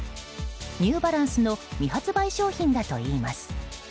ニューバランスの未発売商品だといいます。